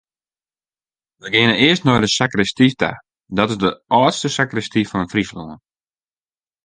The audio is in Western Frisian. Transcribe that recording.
We geane earst nei de sakristy ta, dat is de âldste sakristy fan Fryslân.